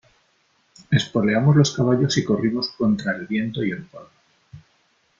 espoleamos los caballos y corrimos contra el viento y el polvo .